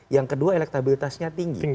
yang kedua elektabilitasnya tinggi